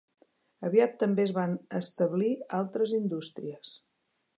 Aviat també es van establir altres indústries.